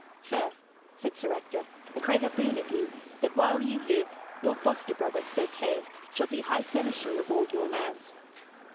'Sir,' said Sir Ector, 'I crave a boon of you, that while you live, your foster brother, Sir Kay, shall be high seneschal of all your lands.'